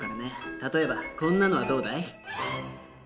例えばこんなのはどうだい？